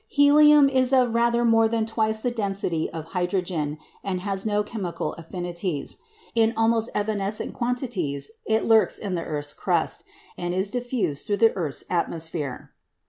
Helium is of rather more than twice the density of hydrogen, and has no chemical affinities. In almost evanescent quantities it lurks in the earth's crust, and is diffused through the earth's atmosphere.